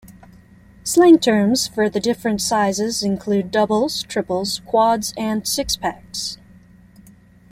Slang terms for the different sizes include "doubles", "triples", "quads", and "six packs".